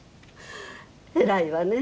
偉いわね。